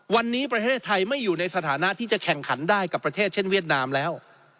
วันนี้ประเทศไทยไม่อยู่ในสถานะที่จะแข่งขันได้กับประเทศเช่นเวียดนามแล้ว